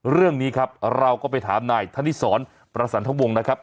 เรื่องนี้ครับเราก็ไปถามนายธนิสรประสันทวงศ์นะครับ